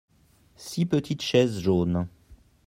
six petites chaises jaunes.